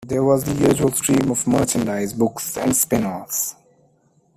There was the usual stream of merchandise, books and spin-offs.